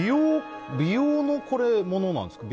美容のものなんですか？